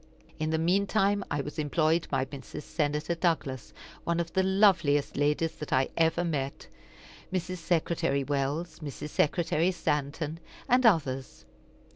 In the mean time I was employed by Mrs. Senator Douglas, one of the loveliest ladies that I ever met, Mrs. Secretary Wells, Mrs. Secretary Stanton, and others.